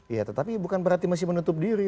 iya tetapi bukan berarti masih menutup diri